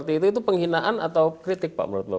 itu penghinaan atau kritik